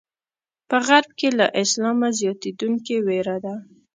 په غرب کې له اسلامه زیاتېدونکې وېره ده.